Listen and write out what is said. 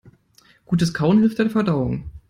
Gutes Kauen hilft der Verdauung.